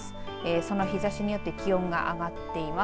この日ざしによって気温が上がっています。